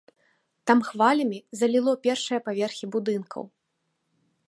Там хвалямі заліло першыя паверхі будынкаў.